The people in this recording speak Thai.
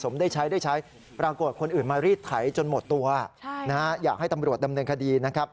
พาไปมารีดไถ่จนหมดตัวอยากให้ตำรวจดำเนินคดี